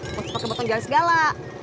bukan pakai potong jari segala